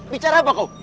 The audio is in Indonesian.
bicara apa kau